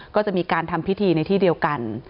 ก็จะมีการทำพิธีในที่เดียวกัน